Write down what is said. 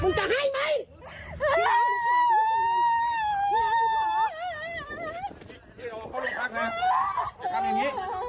มึงจะให้ไหม